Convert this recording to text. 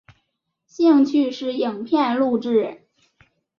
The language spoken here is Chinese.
兴趣是影片录制。